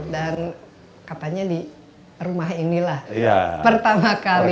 dan katanya di rumah inilah pertama kali